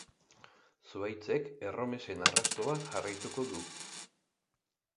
Zuhaitzek erromesen arrastoa jarraituko du.